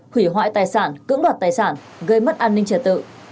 hủy hoại tài sản cưỡng đoạt tài sản gây mất an ninh trật tự